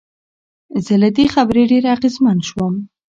زه له دې خبرې ډېر اغېزمن شوم.